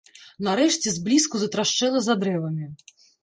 Нарэшце зблізку затрашчэла за дрэвамі.